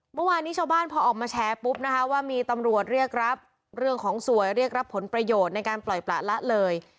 เมื่อวานนี้ชาวบ้านพอออกมาแชร์ปุ๊บนะคะว่ามีตำรวจเรียกรับเรื่องของสวยเรียกรับผลประโยชน์ในการปล่อยประละเลย